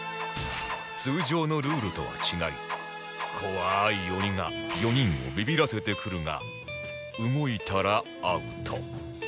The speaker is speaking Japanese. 通常のルールとは違い怖い鬼が４人をビビらせてくるが動いたらアウト